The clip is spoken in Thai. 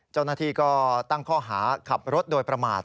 เจ้าหน้าที่ก็ตั้งข้อหาขับรถโดยประมาท